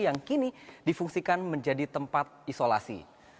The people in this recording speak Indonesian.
yang kini difungsikan menjadi tempat isolasi